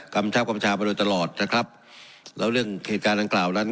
กำชับกำชามาโดยตลอดนะครับแล้วเรื่องเหตุการณ์ดังกล่าวนั้น